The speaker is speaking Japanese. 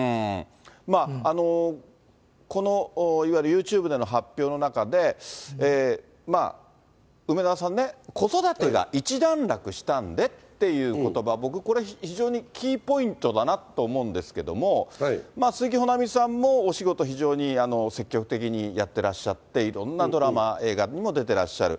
まあ、このいわゆるユーチューブでの発表の中で、梅沢さんね、子育てが一段落したんでっていうことば、僕、これ、非常にキーポイントだなと思うんですけれども、鈴木保奈美さんもお仕事、非常に積極的にやってらっしゃって、いろんなドラマ、映画にも出てらっしゃる。